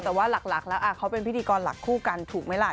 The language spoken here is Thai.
แต่ว่าหลักแล้วเขาเป็นพิธีกรหลักคู่กันถูกไหมล่ะ